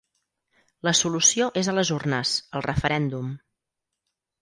La solució és a les urnes, el referèndum.